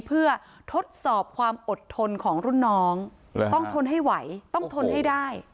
เพื่อทดสอบความอดทนของรุ่นน้องต้องทนให้ไหวต้องทนให้ได้